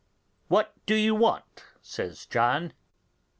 'What do you want?' says John.